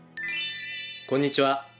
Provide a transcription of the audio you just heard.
こんにちは。